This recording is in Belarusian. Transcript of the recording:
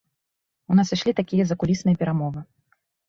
У нас ішлі такія закулісныя перамовы.